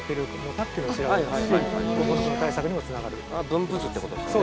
分布図ってことですよね。